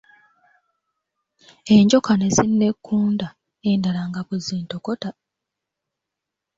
Enjoka ne zinneggunda, endala nga bwe zintokota!